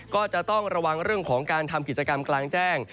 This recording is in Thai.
ก็จะต้องระวังเรื่องของการทำกิจกรรมกลางแจ้ง